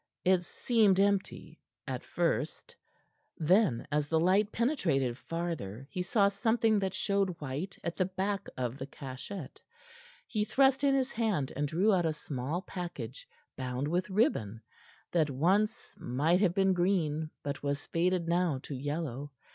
It seemed empty at first; then, as the light penetrated farther, he saw something that showed white at the back of the cachette. He thrust in his hand, and drew out a small package bound with a ribbon that once might have been green but was faded now to yellow.